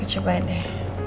aku cobain deh